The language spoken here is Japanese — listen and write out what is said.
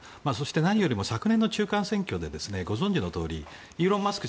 何よりも昨年の中間選挙でご存じのとおりイーロン・マスク